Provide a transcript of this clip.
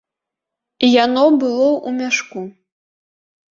Яно было ў мяшку.